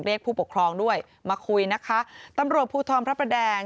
ผู้ปกครองด้วยมาคุยนะคะตำรวจภูทรพระประแดง